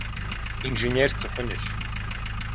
Инженер сыхъунущ.